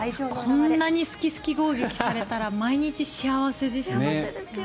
こんなに好き好き攻撃されたら毎日幸せですね。